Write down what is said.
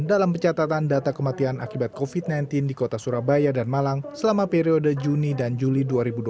dalam pencatatan data kematian akibat covid sembilan belas di kota surabaya dan malang selama periode juni dan juli dua ribu dua puluh